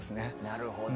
なるほど。